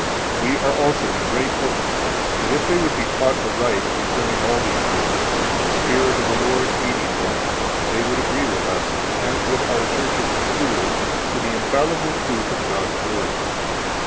We are also in great hope that, if they would be taught aright concerning all these things, the Spirit of the Lord aiding them, they would agree with us, and with our churches and schools, to the infallible truth of God's Word.